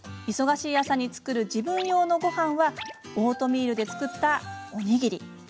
忙しい朝に作る自分用のごはんはオートミールで作ったおにぎり。